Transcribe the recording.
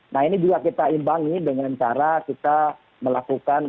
nah ini juga kita imbangi dengan cara kita melakukan